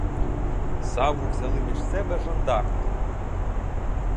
Саву взяли між себе жандарми.